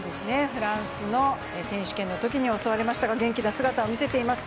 フランスの選手権のときに襲われましたが元気な姿を見せています。